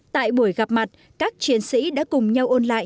tại buổi gặp mặt các chiến sĩ đã cùng nhau ôn lại